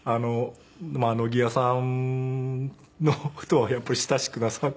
野際さんの事をやっぱり親しくなさって。